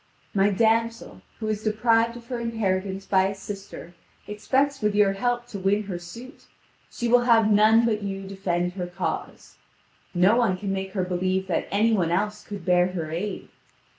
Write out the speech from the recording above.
My damsel, who is deprived of her inheritance by a sister, expects with your help to win her suit; she will have none but you defend her cause. No one can make her believe that any one else could bear her aid.